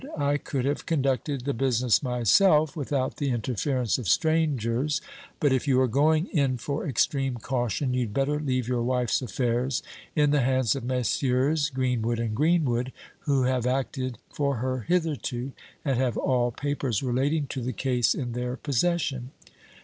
I could have conducted the business myself without the interference of strangers; but if you are going in for extreme caution, you'd better leave your wife's affairs in the hands of Messrs. Greenwood and Greenwood, who have acted for her hitherto, and have all papers relating to the case in their possession."